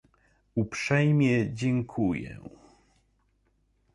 Uprzejmie dziękuję